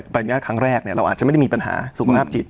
อนุญาตครั้งแรกเราอาจจะไม่ได้มีปัญหาสุขภาพจิต